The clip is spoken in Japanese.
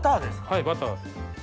はいバター。